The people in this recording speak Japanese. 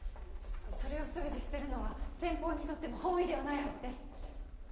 それを全て捨てるのは先方にとっても本意ではないはずです。